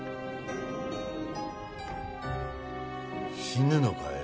死ぬのかい？